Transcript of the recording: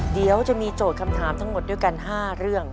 เดี๋ยวจะมีโจทย์คำถามทั้งหมดด้วยกัน๕เรื่อง